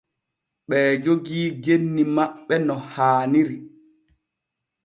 Ɓee jogii genni maɓɓe no haaniri.